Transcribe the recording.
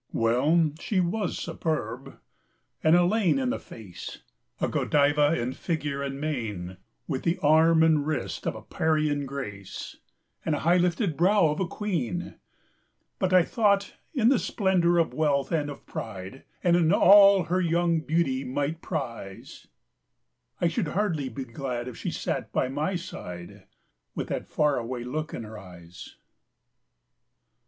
Well, she was superb an Elaine in the face, A Godiva in figure and mien, With the arm and the wrist of a Parian "Grace," And the high lifted brow of a queen; But I thought, in the splendor of wealth and of pride, And in all her young beauty might prize, I should hardly be glad if she sat by my side With that far away look in her eyes.